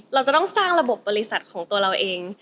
เราจะต้องสร้างระบบบริษัทของตัวเราเอง